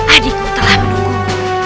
adikmu telah menunggumu